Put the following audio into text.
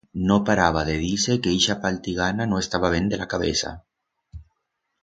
No paraba de dir-se que ixa paltigana no estaba ben de la cabeza.